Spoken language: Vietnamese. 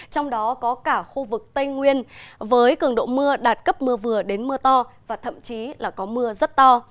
trong đó có cả khu vực tây nguyên với cường độ mưa đạt cấp mưa vừa đến mưa to và thậm chí là có mưa rất to